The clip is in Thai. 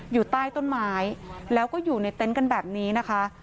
อยู่ใต้ต้นไม้แล้วก็อยู่ในเต็นต์กันแบบนี้นะคะ